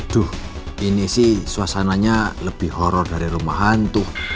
aduh ini sih suasananya lebih horror dari rumah hantu